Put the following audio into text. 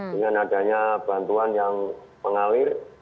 dengan adanya bantuan yang mengalir